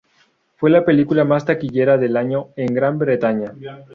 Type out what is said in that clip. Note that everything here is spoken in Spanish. Fue la película más taquillera del año en Gran Bretaña.